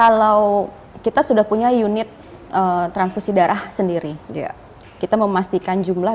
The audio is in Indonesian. kalau kita sudah punya unit transfusi darah sendiri kita memastikan jumlah